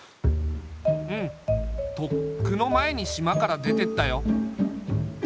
うんとっくの前に島から出てったよ。